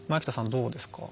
どうですか。